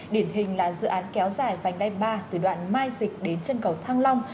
điển hình là dự án kéo dài vành đai ba từ đoạn mai dịch đến chân cầu thăng long